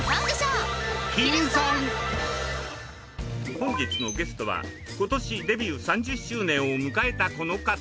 本日のゲストは今年デビュー３０周年を迎えたこの方。